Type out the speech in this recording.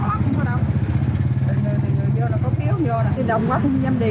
phát phiếu đi không xong